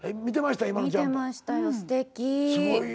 見てましたよ。